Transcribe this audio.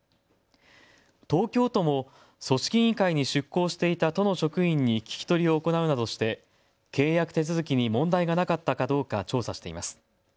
東京都も組織委員会に出向していた都の職員に聞き取りを行うなどして契約手続きに問題がなかったかどうか調査しています。